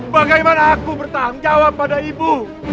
bagaimana aku bertanggung jawab pada ibu